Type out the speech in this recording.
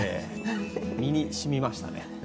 身に染みましたね。